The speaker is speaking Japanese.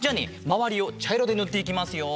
まわりをちゃいろでぬっていきますよ。